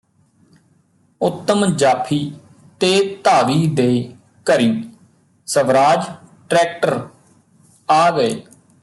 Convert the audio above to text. ਉੱਤਮ ਜਾਫੀ ਤੇ ਧਾਵੀ ਦੇ ਘਰੀਂ ਸਵਰਾਜ ਟ੍ਰੈਕਟਰ ਆ ਗਏ